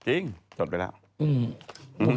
จริงจดไปแล้ว